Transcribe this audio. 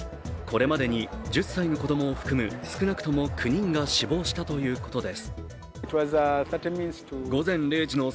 これまでに１０歳の子供を含む少なくとも９人が死亡したということです。